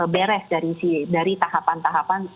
beres dari tahapan tahapan